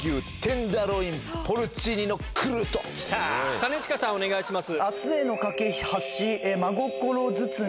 兼近さんお願いします。